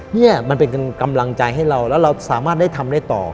นี่มันเป็นกำลังใจให้เราแล้วเราสามารถได้ทำได้ต่อ